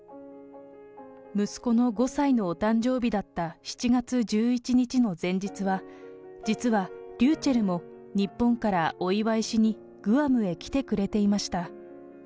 息子の５歳のお誕生日だった７月１１日の前日は、実はりゅうちぇるも日本からお祝いしにグアムへ来てくれていました。